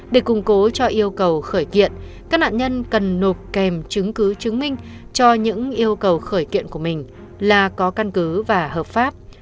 để củng cố cho yêu cầu khởi kiện các nạn nhân cần nộp kèm chứng cứ chứng minh cho những yêu cầu khởi kiện của mình là có căn cứ và hợp pháp